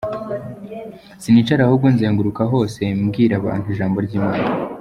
Sinicara ahubwo nzenguruka hose mbwira abantu ijambo ry’Imana.